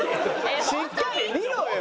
しっかり見ろよ！